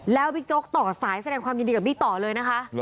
แล้วบิ๊กโจ๊กต่อสายแสดงความยินดีกับบิ๊กต่อเลยนะคะ